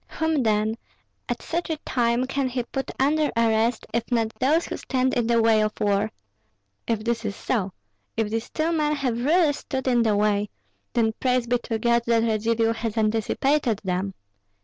Whom, then, at such a time can he put under arrest, if not those who stand in the way of war? If this is so, if these two men have really stood in the way, then praise be to God that Radzivill has anticipated them.